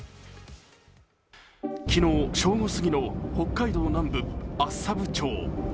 昨日、正午過ぎの北海道南部厚沢部町。